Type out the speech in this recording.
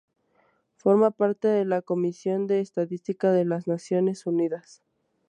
Forma parte de la Comisión de Estadística de las Naciones Unidas.